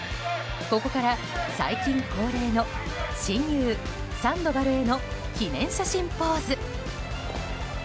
ここから最近恒例の親友サンドバルへの記念写真ポーズ。